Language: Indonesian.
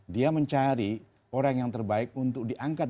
dia mencari orang yang terbaik untuk diangkat